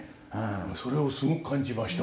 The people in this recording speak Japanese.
それをすごく感じました。